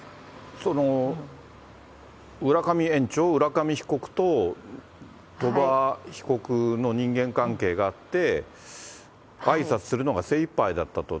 その浦上園長、浦上被告と鳥羽被告の人間関係があって、あいさつするのが精いっぱいだったと。